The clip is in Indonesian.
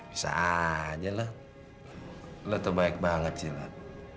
bisa aja lot lo tuh baik banget cilat